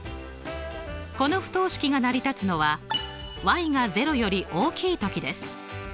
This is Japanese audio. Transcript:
この不等式が成り立つのはが０より大きいときです。